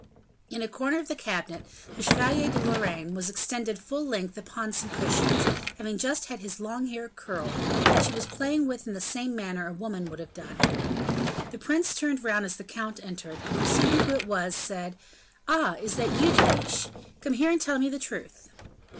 In a corner of the cabinet, the Chevalier de Lorraine was extended full length upon some cushions, having just had his long hair curled, with which he was playing in the same manner a woman would have done. The prince turned round as the count entered, and perceiving who it was, said: "Ah! is that you, De Guiche; come here and tell me the truth."